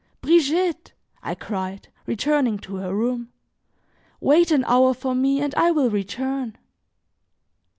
"Brigitte!" I cried, returning to her room, "wait an hour for me and I will return."